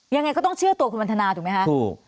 ยังไงก็ต้องเชื่อตัวคุณวันทนาถูกไหมคะถูก